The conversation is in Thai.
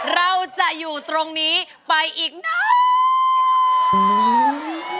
เราจะอยู่ตรงนี้ไปอีกนาน